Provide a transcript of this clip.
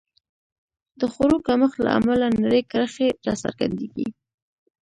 د خوړو کمښت له امله نرۍ کرښې راڅرګندېږي.